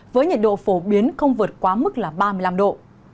với nhiệt độ phổ biến không vượt quá mức là ba mươi năm độ